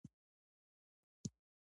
د وینو شېلې روانې وې.